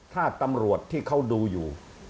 ถ้าตำรวจที่เขาดูอยู่